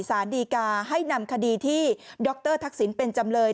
สารดีกาให้นำคดีที่ดรทักษิณเป็นจำเลย